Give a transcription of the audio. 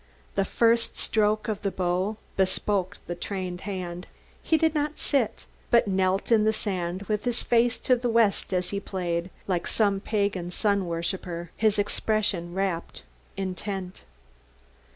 The first stroke of the bow bespoke the trained hand. He did not sit, but knelt in the sand with his face to the west as he played like some pagan sun worshiper, his expression rapt, intent.